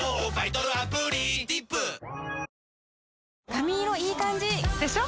髪色いい感じ！でしょ？